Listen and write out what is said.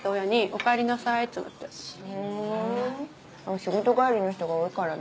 仕事帰りの人が多いからだ。